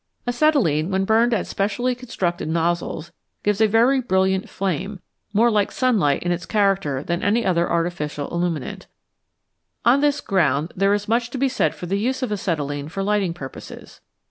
Acetylene, when burned at specially constructed nozzles, gives a very brilliant flame, more like sunlight in its character than any other artificial illuminant. On this ground there is much to be said for the use of acetylene for lighting purposes.